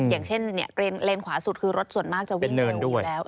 อย่างเช่นเลนขวาสุดคือรถส่วนมากจะวิ่งเร็วอยู่แล้ว